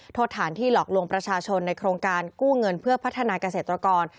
โทษฐานที่หลอกลวงประชาชนในโครงการกู้เงินเพื่อพัฒนาเกษตรกร